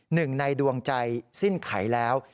หนึ่งในดวงใจสิ้นไขแล้ว